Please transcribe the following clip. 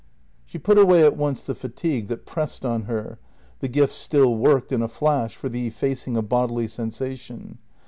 She put away at once the fatigue that pressed on her (the gift still "worked" in a flash for the effacing of bodily sensation).